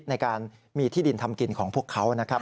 ในการมีที่ดินทำกินของพวกเขานะครับ